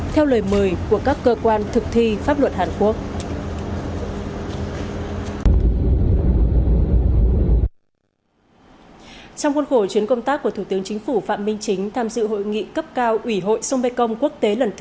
theo lời mời của các cơ quan thực thi pháp luật hàn quốc